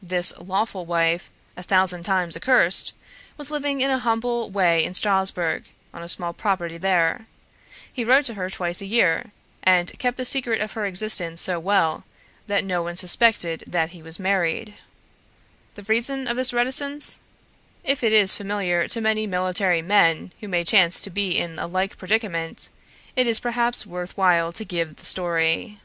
This lawful wife, a thousand times accursed, was living in a humble way in Strasbourg on a small property there; he wrote to her twice a year, and kept the secret of her existence so well, that no one suspected that he was married. The reason of this reticence? If it is familiar to many military men who may chance to be in a like predicament, it is perhaps worth while to give the story.